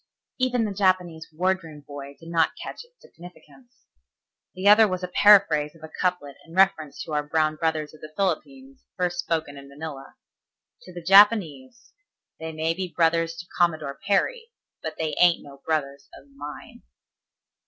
Even the Japanese wardroom boy did not catch its significance. The other was a paraphrase of a couplet in reference to our brown brothers of the Philippines first spoken in Manila. "To the Japanese: 'They may be brothers to Commodore Perry, but they ain't no brothers of mine.'"